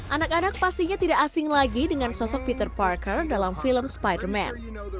anak anak pastinya tidak asing lagi dengan sosok peter parker dalam film spider man